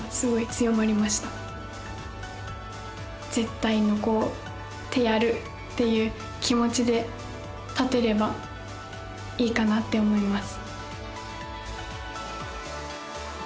あのかなと思ってますっていう気持ちで立てればいいかなって思います